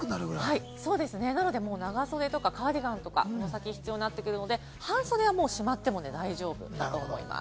なので長袖とかカーディガンとかが必要になってくるので、半袖はもうしまっても大丈夫だと思います。